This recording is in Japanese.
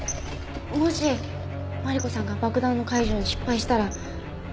もしマリコさんが爆弾の解除に失敗したら。